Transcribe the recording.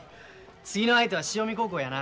次の相手は潮見高校やな。